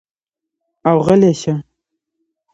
او غلے شۀ ـ